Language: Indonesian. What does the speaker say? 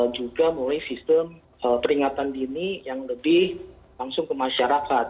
juga mulai sistem peringatan dini yang lebih langsung ke masyarakat